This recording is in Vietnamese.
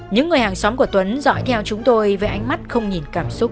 những người hàng xóm của tuấn dõi theo chúng tôi với ánh mắt không nhìn cảm xúc